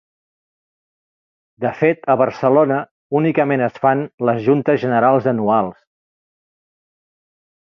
De fet a Barcelona únicament es fan les juntes generals anuals.